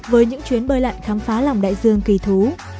với những chuyến bơi lặn khám phá lòng đại dương kỳ thú